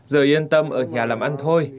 giờ yên tâm ở nhà làm ăn thôi